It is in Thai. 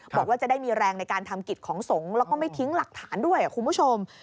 บอกว่าจะได้มีแรงในการทำกิจของสงฆ์แล้วก็ไม่ทิ้งหลักฐานด้วยคุณผู้ชม